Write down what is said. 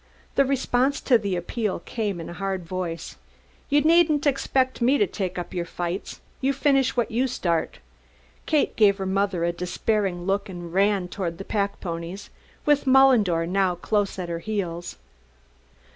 The response to the appeal came in a hard voice: "You needn't expect me to take up your fights. You finish what you start." Kate gave her mother a despairing look and ran towards the pack ponies, with Mullendore now close at her heels.